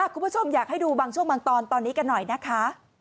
คุณผู้ชมอยากให้ดูบางช่วงบางตอนตอนนี้กันหน่อยนะคะ